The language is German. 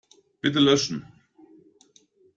Bitte löschen.